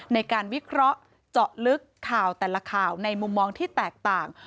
ในการวิเคราะห์เจาะลึกข่าวแต่ละข่าวในมุมมองที่แตกต่าง